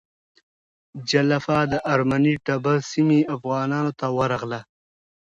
جلفا د ارمني ټبر سیمه افغانانو ته ورغله.